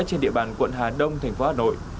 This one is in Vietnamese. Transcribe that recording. trên địa bàn quận hà đông thành phố hà nội